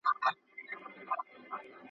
چي هوسۍ نيسي د هغو تازيانو خولې توري وي.